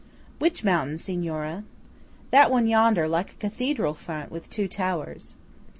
"Which mountain, Signora?" "That one yonder, like a cathedral front with two towers."